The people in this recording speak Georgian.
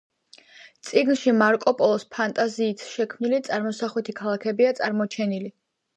წიგნში მარკო პოლოს ფანტაზიით შექმნილი წარმოსახვითი ქალაქებია წარმოჩენილი.